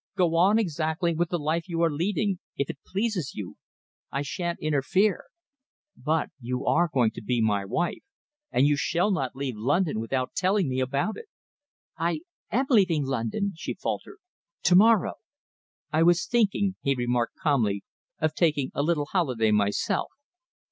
Go on exactly with the life you are leading, if it pleases you. I shan't interfere. But you are going to be my wife, and you shall not leave London without telling me about it." "I am leaving London," she faltered, "to morrow." "I was thinking," he remarked, calmly, "of taking a little holiday myself."